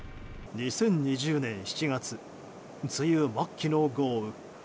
２０２０年７月梅雨末期の豪雨。